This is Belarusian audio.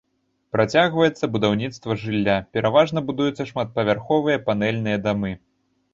Працягваецца будаўніцтва жылля, пераважна будуюцца шматпавярховыя панэльныя дамы.